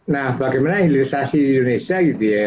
nah bagaimana hilirisasi di indonesia gitu ya